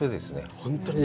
本当にね。